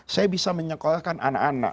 saya bisa menyekolahkan anak anak